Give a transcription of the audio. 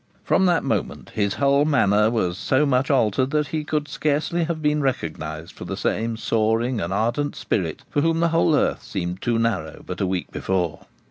From that moment his whole manner was so much altered that he could scarcely have been recognised for the same soaring and ardent spirit, for whom the whole earth seemed too narrow but a week before.